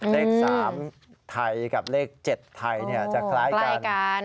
เลข๓ไทยกับเลข๗ไทยจะคล้ายกัน